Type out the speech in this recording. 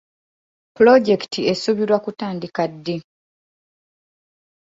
Pulojekiti esuubirwa kutandika ddi?